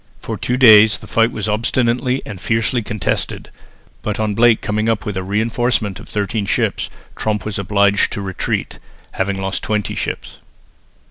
For two days the fight was obstinately and fiercely contested, but on Blake coming up with a reinforcement of thirteen fresh ships, Tromp was obliged to retreat, having lost twenty ships.